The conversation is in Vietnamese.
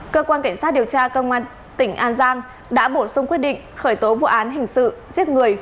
cơ quan cảnh sát điều tra công an tỉnh an giang đã bổ sung quyết định khởi tố vụ án hình sự giết người